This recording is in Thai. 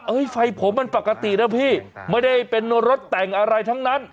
ไฟผมมันปกตินะพี่ไม่ได้เป็นรถแต่งอะไรทั้งนั้น